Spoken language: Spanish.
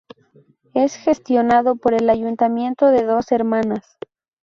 Es gestionado por el Ayuntamiento de Dos Hermanas.